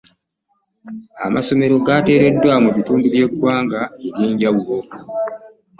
Amasomero gateereddwa mu bitundu by'eggwanga eby'enjawulo.